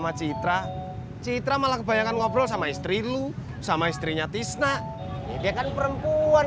sama citra citra malah kebanyakan ngobrol sama istri lu sama istrinya tisna dia kan perempuan